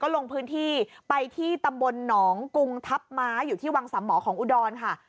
ลงพื้นที่ไปที่ตำบลหนองกุงทัพม้าอยู่ที่วังสามหมอของอุดรค่ะ